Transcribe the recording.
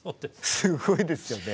すごいですよね。